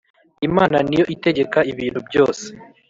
Imana niyo itegeka ibintu byose